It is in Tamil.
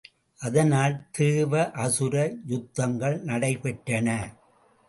அதனால் தேவ அசுர யுத்தங்கள் நடைபெற்றன.